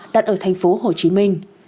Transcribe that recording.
đặt ở thành phố hồ chí minh